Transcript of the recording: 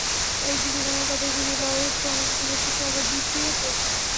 একদিকে যেমন তাদের ফিরিয়ে দেওয়া হচ্ছে, অন্যদিকে বেশ কিছু আবার ঢুকেও পড়ছে।